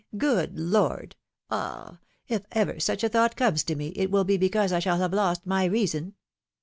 Good Lord ! Ah ! if ever such a thought comes to me, it will be because I shall have lost my reason.